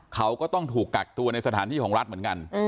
เขาก็ต้องถูกกักตัวในสถานที่ของรัฐเหมือนกัน